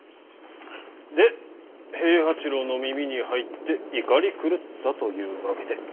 で平八郎の耳に入って怒り狂ったという訳で。